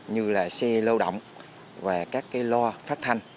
như là xe lâu động và các cái loa phát thanh